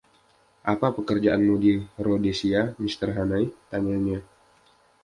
“Apa pekerjaanmu di Rhodesia, Mr Hannay?” tanyanya.